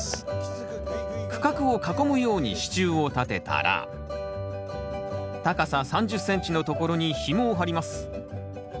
区画を囲むように支柱を立てたら高さ３０ｃｍのところにひもを張ります。